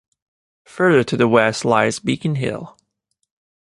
Further to the west lies Beacon Hill.